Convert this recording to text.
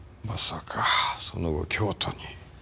まさかその後京都に。